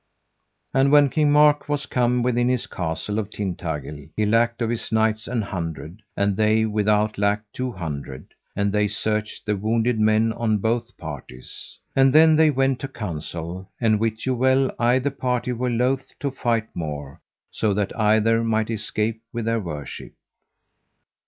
And when King Mark was come within the Castle of Tintagil he lacked of his knights an hundred, and they without lacked two hundred; and they searched the wounded men on both parties. And then they went to council; and wit you well either party were loath to fight more, so that either might escape with their worship.